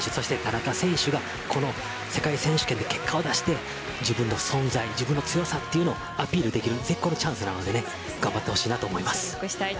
新添選手、田中選手がこの世界選手権で結果を出して自分の存在自分の強さをアピールできる絶好のチャンスなので頑張ってほしいです。